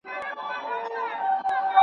ځوانه د لولیو په بازار اعتبار مه کوه.